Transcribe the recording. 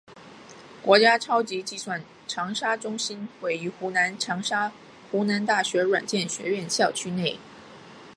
国家超级计算长沙中心位于湖南长沙湖南大学软件学院校区内。